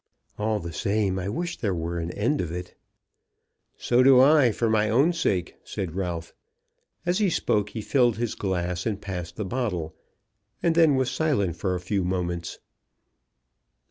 "All the same, I wish there were an end of it." "So do I, for my own sake," said Ralph. As he spoke he filled his glass, and passed the bottle, and then was silent for a few moments.